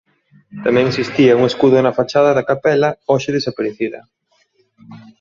Tamén existía un escudo na fachada da capela hoxe desaparecida.